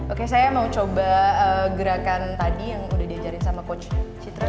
oke saya mau coba gerakan tadi yang udah diajarin sama coach citra